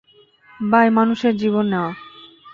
By মানুষের জীবন নেয়া।